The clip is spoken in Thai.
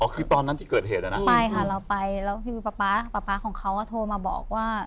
คือตอนนั้นที่เกิดเหตุอ่ะนะไปค่ะเราไปแล้วพี่ป๊าป๊าป๊าของเขาก็โทรมาบอกว่า